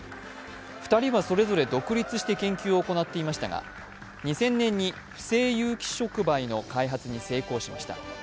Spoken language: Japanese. ２人はそれぞれ独立して研究を行っていましたが、２０００年に不斉有機触媒の開発に成功しました。